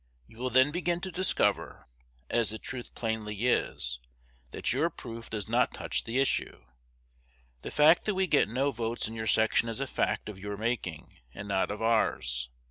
You will then begin to discover, as the truth plainly is, that your proof does not touch the issue. The fact that we get no votes in your section is a fact of your making, and not of ours.